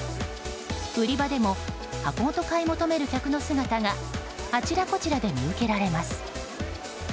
売り場でも箱ごと買い求める客の姿があちらこちらで見受けられます。